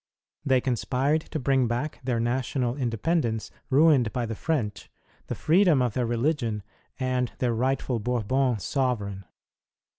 'J'hey conspired to bring back their national independence ruined by the French, the freedom of their reli gion, and their rightful Bourbon sovereign.